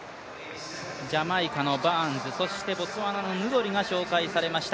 ジャマイカのバーンズそしてボツワナのヌドリが紹介されました。